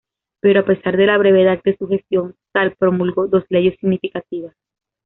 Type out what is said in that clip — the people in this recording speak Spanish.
Pero, a pesar de la brevedad de su gestión, Sal promulgó dos leyes significativas.